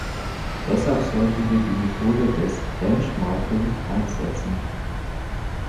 Deshalb sollten wir die Methode des benchmarking einsetzen.